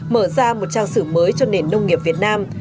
mở ra một trang sử mới cho nền nông nghiệp việt nam